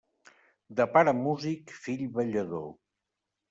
De pare músic, fill ballador.